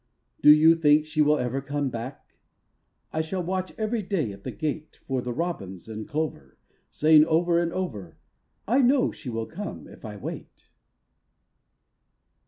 Do you think she will ever come back? I shall watch every day at the gate For the robins and clover, Saying over and over: "I know she will come, if I wait."